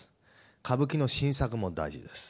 歌舞伎の新作も大事です。